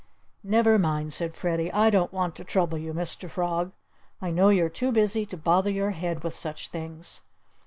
"Never mind!" said Freddie. "I don't want to trouble you, Mr. Frog. I know you're too busy to bother your head with such things."